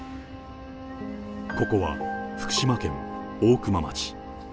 ここは福島県大熊町。